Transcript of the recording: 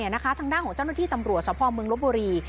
ทางด้านของเจ้าหน้าที่ตำรวจสภเมืองลบบุรี